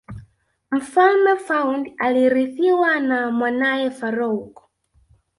mfalme faund alirithiwa na mwanae farouk